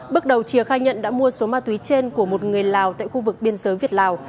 bước đầu chìa khai nhận đã mua số ma túy trên của một người lào tại khu vực biên giới việt lào